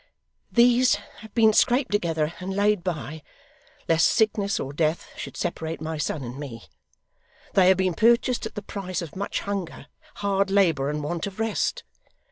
'These have been scraped together and laid by, lest sickness or death should separate my son and me. They have been purchased at the price of much hunger, hard labour, and want of rest.